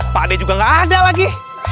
pak ade juga nggak ada lagi